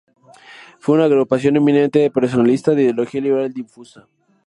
Fue una agrupación eminentemente personalista, de ideología liberal difusa.